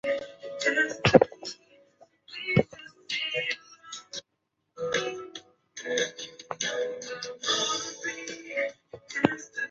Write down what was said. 我不知道为什么在他作品中不说真话呢？